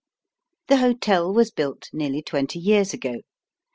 The hotel was built nearly twenty years ago.